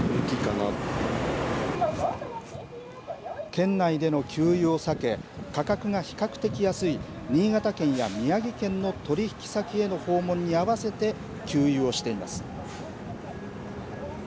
県内での給油を避け、価格が比較的安い新潟県や宮城県の取り引き先への訪問に合わせて、給油をしています。